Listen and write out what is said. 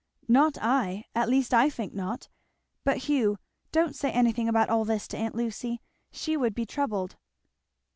"Not I! at least I think not. But, Hugh, don't say anything about all this to aunt Lucy. She would be troubled."